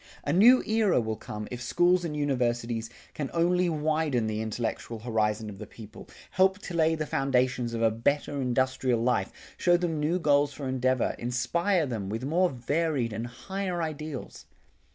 A new era will come if schools and universities can only widen the intellectual horizon of the people, help to lay the foundations of a better industrial life, show them new goals for endeavor, inspire them with more varied and higher ideals.